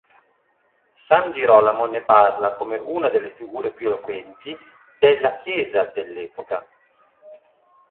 San Girolamo ne parla come una delle figure più eloquenti della Chiesa dell'epoca.